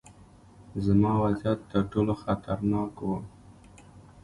زما وضعیت ترټولو خطرناک و.